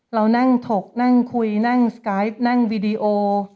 เรานั่งถกนั่งคุยนั่งสกายนั่งวีดีโอ